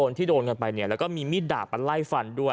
ที่โดนกันไปเนี่ยแล้วก็มีมีดดาบมาไล่ฟันด้วย